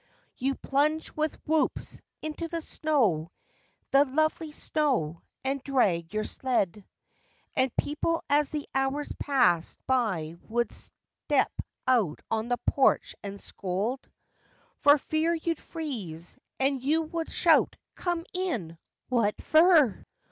You'd plunge with whoops into the snow, —the lovely snow—and drag your sled, \\ And people as the hours passed by would step out on the porch and scold For fear you'd freeze, and you would shout—"Come in? What fer?